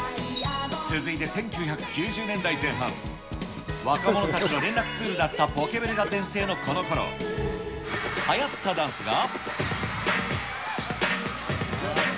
続いて１９９０年代前半、若者たちの連絡ツールだったポケベルが全盛のこのころ、はやったダンスが。